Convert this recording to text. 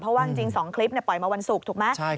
เพราะว่าจริง๒คลิปปล่อยมาวันศุกร์ถูกไหม